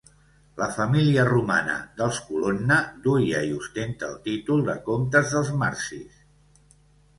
La família romana dels Colonna duia i ostenta el títol de comtes dels marsis.